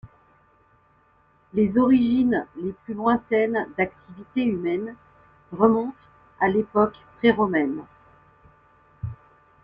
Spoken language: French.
Les origines les plus lointaines d'activité humaine remontent à l'époque pré-romaine.